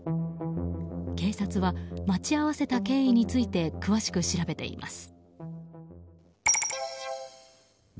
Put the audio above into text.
警察は待ち合わせた経緯について詳しく調べています。